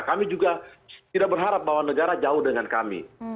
kami juga tidak berharap bahwa negara jauh dengan kami